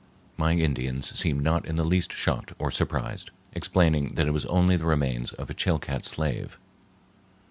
My Indians seemed not in the least shocked or surprised, explaining that it was only the remains of a Chilcat slave.